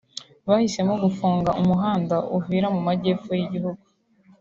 bahisemo gufunga umuhanda i Uvira mu Majyepfo y’igihugu